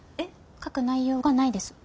書く内容がないです。